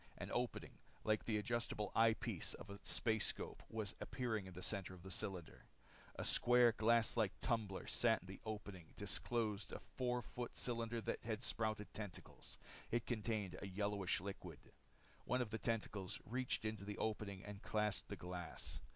An opening, like the adjustable eye piece of a spacescope, was appearing in the center of the cylinder. A square, glass like tumbler sat in the opening disclosed in the four foot cylinder that had sprouted tentacles. It contained a yellowish liquid. One of the tentacles reached into the opening and clasped the glass.